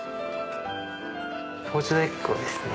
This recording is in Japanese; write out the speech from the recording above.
ポーチドエッグをですね。